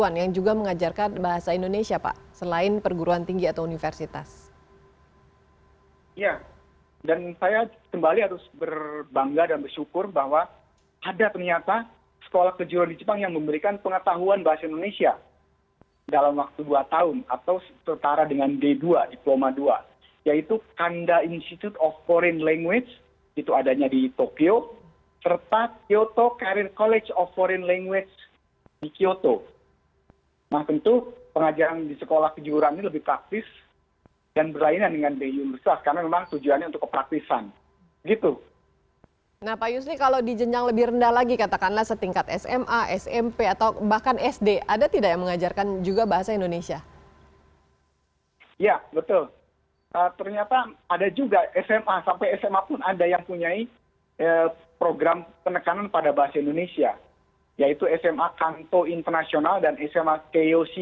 nah mereka ini punya kegiatan kesenian yang biasanya dilakukan pada waktu universitas yang mengadakan festival sport